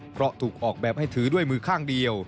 เพราะถูกออกแบบให้ถือด้วยมือข้างเดียว